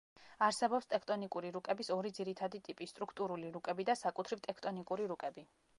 არსებობს ტექტონიკური რუკების ორი ძირითადი ტიპი: სტრუქტურული რუკები და საკუთრივ ტექტონიკური რუკები.